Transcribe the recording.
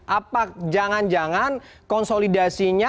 apakah jangan jangan konsolidasinya